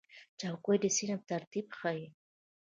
چوکۍ د صنف ترتیب ښیي.